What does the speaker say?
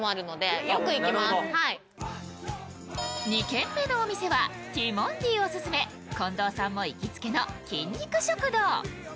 ２軒目のお店はティモンディオススメ近藤さんもオススメの筋肉食堂。